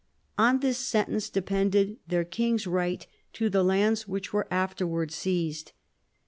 On this sentence depended their king's right to the lands which were afterwards seized.